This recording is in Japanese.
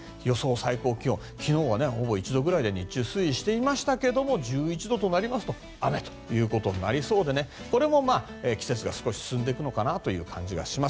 最高気温昨日は、ほぼ１度ぐらいで日中、推移していましたけれども１１度となりますと雨となりそうでこれも季節が少し進んでいくのかなという感じがします。